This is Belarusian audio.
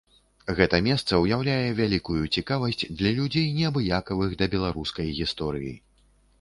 Гэта месца ўяўляе вялікую цікавасць для людзей, неабыякавых да беларускай гісторыі.